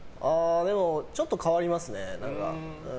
ちょっと変わりますね。